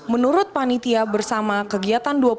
menurut panitia bersama kegiatan